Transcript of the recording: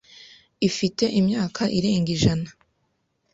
Ifite imyaka irenga ijana.